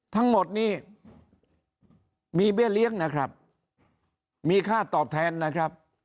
ทั้งหมดนี้มีเบี้ยเลี้ยงนะครับมีค่าตอบแทนนะครับ